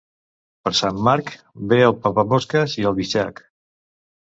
Per Sant Marc ve el papamosques i el bitxac.